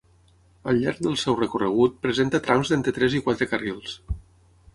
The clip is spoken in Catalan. Al llarg del seu recorregut presenta trams d'entre tres i quatre carrils.